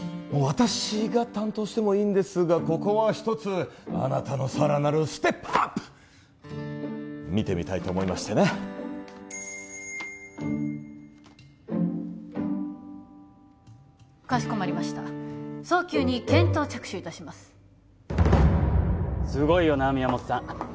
私が担当してもいいんですがここはひとつあなたのさらなるステップアップ見てみたいと思いましてねかしこまりました早急に検討着手いたしますすごいよな宮本さん